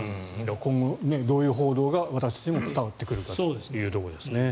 今後、どういう報道が私たちに伝わってくるかですね。